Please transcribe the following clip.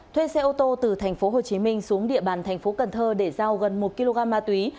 thuê xe ô tô từ tp hcm xuống địa bàn tp cnh để giao gần một kg ma túy